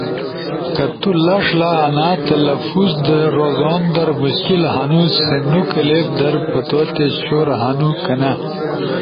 کہ تو لݜ لا انا تلفظ رزوندر مشکل ہنو سی نو کلپ در پتو تے شور ہنو کنیا